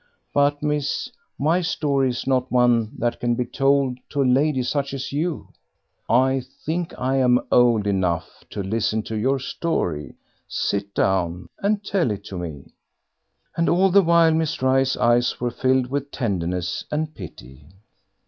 But, miss, my story is not one that can be told to a lady such as you." "I think I'm old enough to listen to your story; sit down, and tell it to me." And all the while Miss Rice's eyes were filled with tenderness and pity.